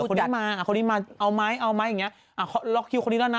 คนนี้มาอ่ะคนนี้มาเอาไหมเอาไหมอย่างเงี้อ่าเขาล็อกคิวคนนี้แล้วนะ